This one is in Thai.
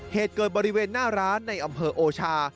เหตุเกิดบริเวณหน้าร้านในอำเภอโอชา